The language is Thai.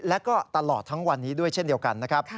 และก็ตลอดทั้งวันนี้ด้วยเช่นเดียวกันนะครับ